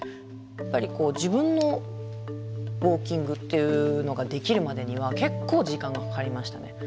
やっぱりこう自分のウォーキングっていうのができるまでには結構時間がかかりましたね。